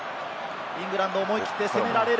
イングランド、思い切って攻められる。